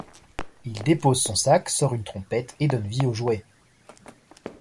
Il dépose son sac, sort une trompette et donne vie aux jouets...